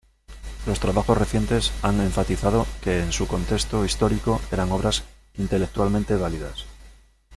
Los trabajos recientes han enfatizado que en su contexto histórico eran obras intelectualmente válidas.